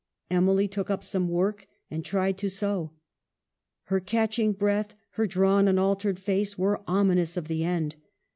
Emily took up some work and tried to sew. Her catching breath, her drawn and altered face, were ominous of the end.